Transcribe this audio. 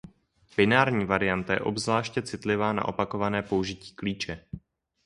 Binární varianta je obzvláště citlivá na opakované použití klíče.